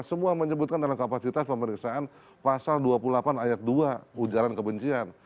semua menyebutkan dalam kapasitas pemeriksaan pasal dua puluh delapan ayat dua ujaran kebencian